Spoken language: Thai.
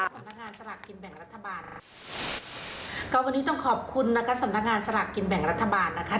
สำนักงานสลากกินแบ่งรัฐบาลก็วันนี้ต้องขอบคุณนะคะสำนักงานสลากกินแบ่งรัฐบาลนะคะ